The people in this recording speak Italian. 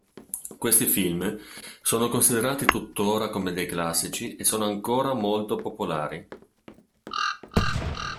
Questi film sono considerati tuttora come dei classici e sono ancora molto popolari.